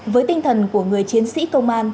với tinh thần của người chiến sĩ công an